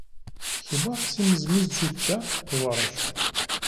Хіба в цім зміст життя, товаришу?